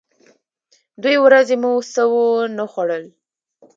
دوې ورځې مو څه و نه خوړل.